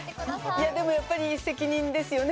でもやっぱり責任ですよね。